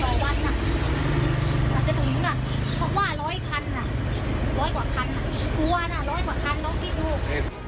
ฮัวร้อยกว่าคันน้องกินถูก